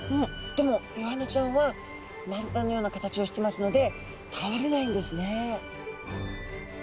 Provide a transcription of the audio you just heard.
でもイワナちゃんは丸太のような形をしてますので倒れないんですね。